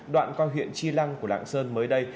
đoạn qua huyện chi lăng của lạng sơn mới đây